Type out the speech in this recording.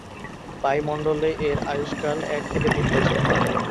বায়ুমণ্ডলে এর আয়ুষ্কাল এক থেকে তিন বছর।